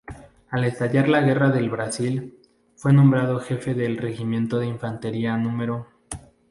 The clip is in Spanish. Al estallar la Guerra del Brasil, fue nombrado jefe del Regimiento de Infantería Nro.